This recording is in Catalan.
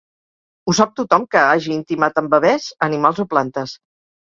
Ho sap tothom que hagi intimat amb bebès, animals o plantes.